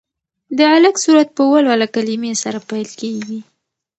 د علق سورت په ولوله کلمې سره پیل کېږي.